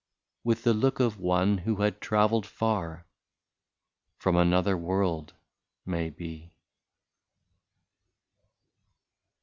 With the look of one who had travelled far, — From another world, may be.